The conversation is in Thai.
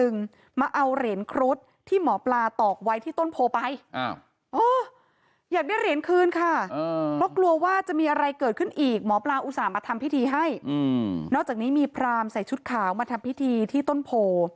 นอกจากนี้มีพรามใส่ชุดขาวมาทำพิธีที่ต้นโพ